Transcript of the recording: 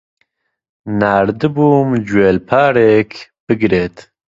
ناردبووم گوێلپارێک بگرێت.